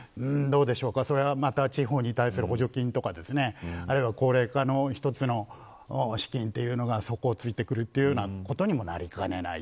それはまた地方に対する補助金とか高齢化の一つの資金というのが底をついてくるというこようなことにもなりかねない。